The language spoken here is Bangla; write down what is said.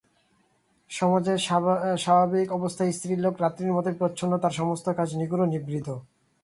সমাজের স্বাভাবিক অবস্থায় স্ত্রীলোক রাত্রির মতোই প্রচ্ছন্ন– তার সমস্ত কাজ নিগূঢ় এবং নিভৃত।